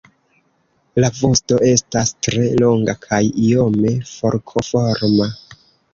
La vosto estas tre longa kaj iome forkoforma.